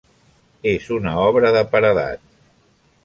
És una obra de paredat.